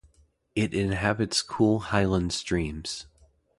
It inhabits cool highland streams.